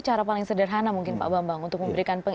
cara paling sederhana mungkin pak bambang untuk memberikan